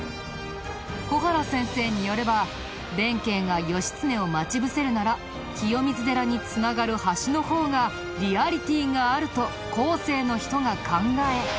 小原先生によれば弁慶が義経を待ち伏せるなら清水寺に繋がる橋の方がリアリティーがあると後世の人が考え